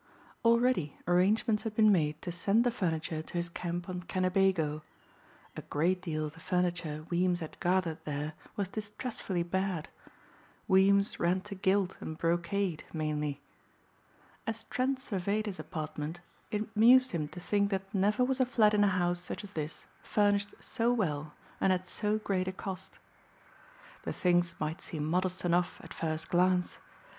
Already arrangements had been made to send the furniture to his camp on Kennebago. A great deal of the furniture Weems had gathered there was distressfully bad. Weems ran to gilt and brocade mainly. As Trent surveyed his apartment it amused him to think that never was a flat in a house such as this furnished so well and at so great a cost. The things might seem modest enough at first glance.